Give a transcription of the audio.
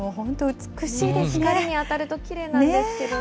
光に当たるときれいなんですけどね。